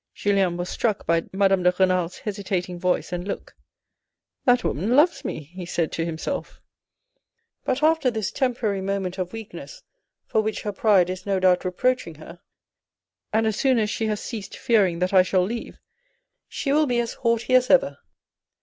Julien was struck by Madame de Renal's hesitating voice and look. "That woman loves me," he said to himself! " But after this temporary moment of weakness, for which her pride is no doubt reproaching her, and as soon as she has ceased fearing that I shall leave, she will be as haughty as ever."